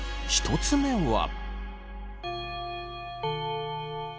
１つ目は。